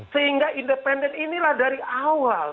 sehingga independen inilah dari awal